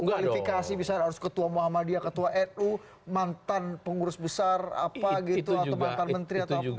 kualifikasi besar harus ketua muhammadiyah ketua nu mantan pengurus besar atau mantan menteri